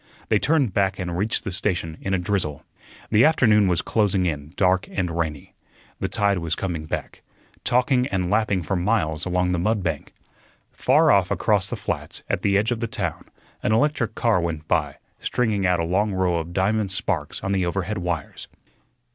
They turned back and reached the station in a drizzle. The afternoon was closing in dark and rainy. The tide was coming back, talking and lapping for miles along the mud bank. Far off across the flats, at the edge of the town, an electric car went by, stringing out a long row of diamond sparks on the overhead wires.